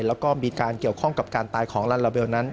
แล้วก็มีการเกี่ยวข้องกับการตายของลาลาเบลนั้น